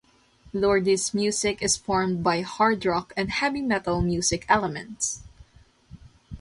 Lordi's music is formed by hard rock and heavy metal music elements.